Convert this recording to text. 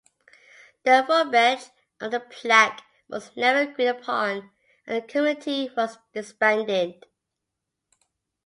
The verbiage of the plaque was never agreed upon and the committee was disbanded.